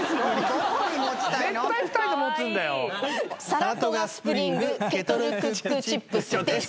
サラトガスプリングケトルクックチップスです